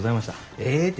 ええて。